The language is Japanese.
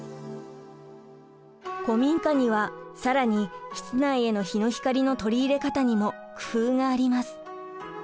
古民家には更に室内への日の光の取り入れ方にも工夫があります。